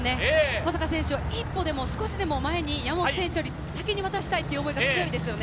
保坂選手、１歩でも少しでも山本選手より先に渡したいという思いが強いですよね。